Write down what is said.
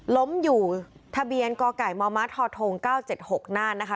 ล้มอยู่ทะเบียนกไก่มมทธ๙๗๖น่านนะคะ